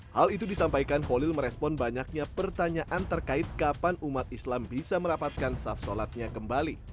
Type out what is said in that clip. hal itu disampaikan holil merespon banyaknya pertanyaan terkait kapan umat islam bisa merapatkan saf sholatnya kembali